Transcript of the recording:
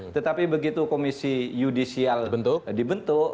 tetapi begitu komisi yudisial dibentuk